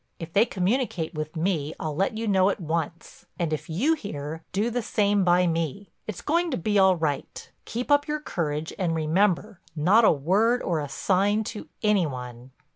If they communicate with me, I'll let you know at once, and if you hear, do the same by me. It's going to be all right. Keep up your courage and remember—not a word or a sign to any one."